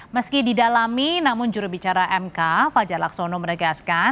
meski didalami namun jurubicara mk fajar laksono menegaskan